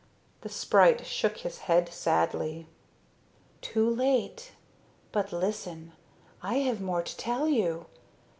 The, sprite shook his head sadly. "Too late. But listen. I have more to tell you.